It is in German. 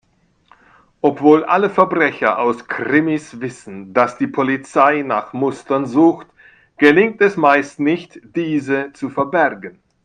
Obwohl alle Verbrecher aus Krimis wissen, dass die Polizei nach Mustern sucht, gelingt es meist nicht, diese zu verbergen.